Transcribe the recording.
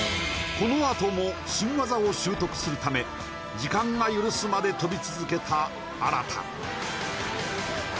このあとも新技を習得するため時間が許すまで飛び続けた荒田